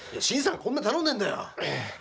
新さんこんな頼んでんだよ。